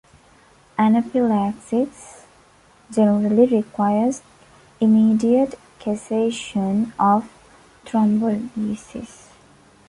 Anaphylaxis generally requires immediate cessation of thrombolysis.